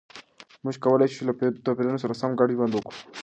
موږ کولای شو له توپیرونو سره سره ګډ ژوند وکړو.